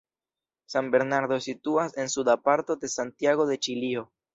San Bernardo situas en suda parto de Santiago de Ĉilio.